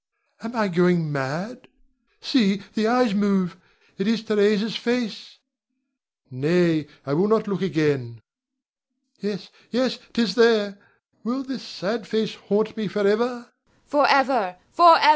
Am I going mad? See the eyes move, it is Theresa's face! Nay, I will not look again. Yes, yes; 'tis there! Will this sad face haunt me forever? Theresa. Forever! Forever!